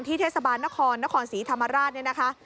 ที่เทศบาลนครนครศรีธรรมราชน์นี้นะคะ